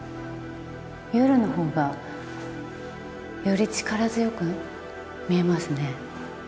夜のほうがより力強く見えますね。